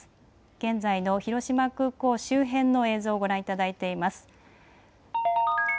現在の広島空港周辺の映像をご覧いただいています。